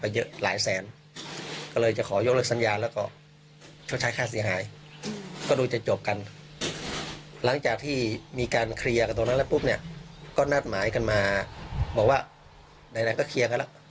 เพราะว่าการเดินไปปรัสสาวะนั้นมันแค่โทรไม่กี่นาที